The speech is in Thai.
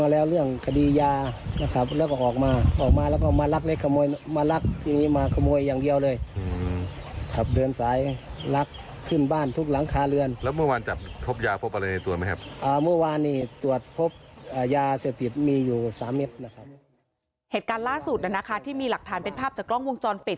ล่าสุดที่มีหลักฐานเป็นภาพจากกล้องวงจรปิด